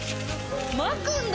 まくんだ。